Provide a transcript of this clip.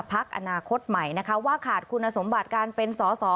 พักอนาคตใหม่นะคะว่าขาดคุณสมบัติการเป็นสอสอ